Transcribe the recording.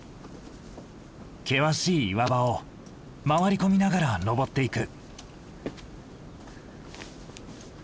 険しい岩場を回り込みながら登っていく。